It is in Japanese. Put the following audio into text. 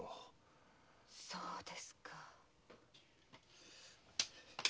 そうですか。